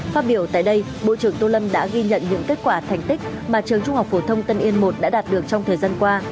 phát biểu tại đây bộ trưởng tô lâm đã ghi nhận những kết quả thành tích mà trường trung học phổ thông tân yên i đã đạt được trong thời gian qua